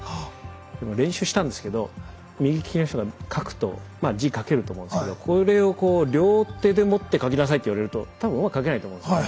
でも練習したんですけど右利きの人が書くとまあ字書けると思うんですけどこれをこう両手で持って書きなさいっていわれると多分うまく書けないと思うんですよね。